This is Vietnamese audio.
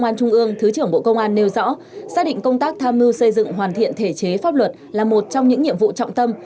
và bí thư đảng ủy công an trung ương thứ trưởng bộ công an nêu rõ xác định công tác tham mưu xây dựng hoàn thiện thể chế pháp luật là một trong những nhiệm vụ trọng tâm